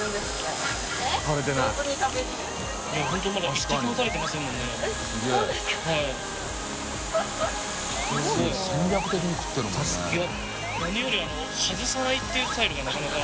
淵好織奪奸何より外さないっていうスタイルがなかなか。